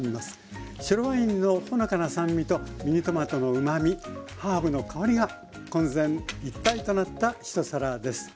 白ワインのほのかな酸味とミニトマトのうまみハーブの香りが混然一体となった一皿です。